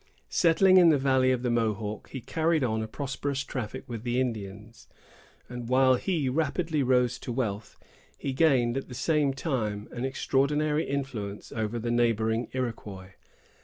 Settling in the valley of the Mohawk, he carried on a prosperous traffic with the Indians; and while he rapidly rose to wealth, he gained, at the same time, an extraordinary influence over the neighboring Iroquois.